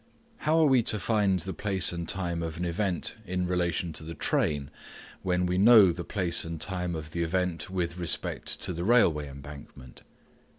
How are we to find the place and time of an event in relation to the train, when we know the place and time of the event with respect to the railway embankment